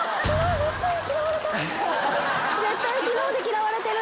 絶対昨日で嫌われてる。